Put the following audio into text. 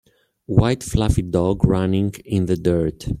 White fluffy dog running in the dirt.